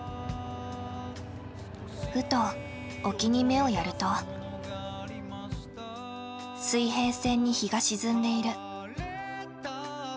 ふと沖に目をやると水平線に日が沈んでいる。